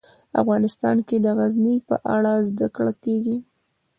افغانستان کې د غزني په اړه زده کړه کېږي.